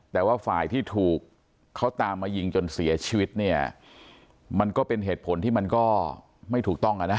แต่ว่าฝ่ายที่ถูกเขาตามมายิงจนเสียชีวิตเนี่ยมันก็เป็นเหตุผลที่มันก็ไม่ถูกต้องอ่ะนะ